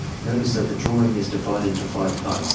Notice that the drawing is divided into five parts.